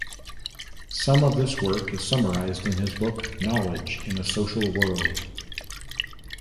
Some of this work is summarized in his book "Knowledge in a Social World".